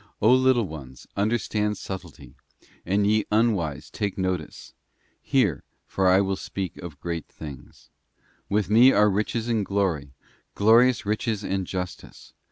O little ones, understand subtlety, and ye unwise take notice. Hear, for I will speak of great things. ... With me are riches and glory, glorious riches and justice.